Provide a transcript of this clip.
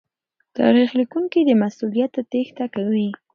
تاريخ ليکونکي له مسوليته تېښته کوي.